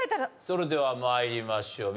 それでは参りましょう。